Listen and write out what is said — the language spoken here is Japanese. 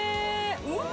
うわ！